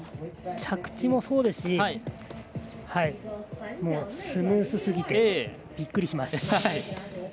着地もそうですしスムーズすぎてびっくりしました。